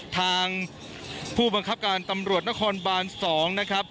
ทางผู้บังคับการตำรวจนครบาน๒นะครับ